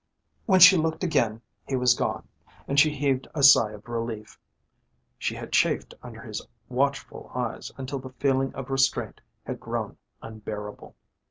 When she looked again he was gone, and she heaved a sigh of relief. She had chafed under his watchful eyes until the feeling of restraint had grown unbearable.